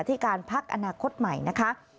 ที่การพักอนาคตใหม่นะคะ